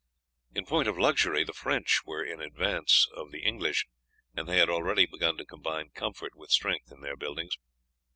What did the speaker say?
In point of luxury the French were in advance of the English, and they had already begun to combine comfort with strength in their buildings.